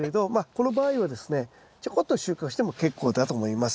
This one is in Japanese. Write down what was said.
この場合はですねちょこっと収穫しても結構だと思います。